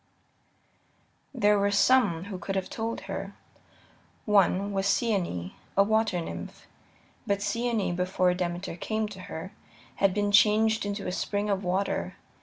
There were some who could have told her. One was Cyane, a water nymph. But Cyane, before Demeter came to her, had been changed into a spring of water.